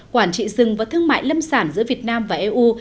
quản trị rừng và thương mại lâm sản giữa việt nam và eu